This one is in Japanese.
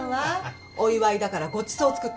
お祝いだからごちそう作ったの。